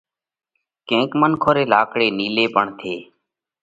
ڪينڪ منکون ري لاڪڙي نِيلي پڻ ٿي